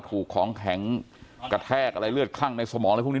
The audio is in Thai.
ถูกของแข็งกระแทกอะไรเลือดคลั่งในสมองอะไรพวกนี้